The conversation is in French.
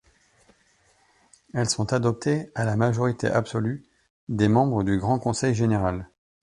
Elles sont adoptées à la majorité absolue des membres du Grand Conseil général.